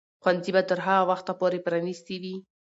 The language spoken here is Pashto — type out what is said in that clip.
ښوونځي به تر هغه وخته پورې پرانیستي وي.